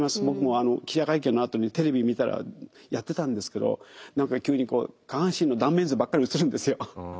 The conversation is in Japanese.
僕も記者会見のあとにテレビ見たらやってたんですけど何か急に下半身の断面図ばっかり映るんですよ。